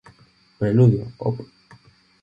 Preludio, Op.